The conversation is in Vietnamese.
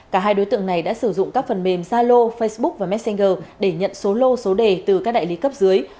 cả hai đối tượng này đã sử dụng các phần mềm zalo facebook và messenger để nhận số lô số đề từ các đại lý cấp dưới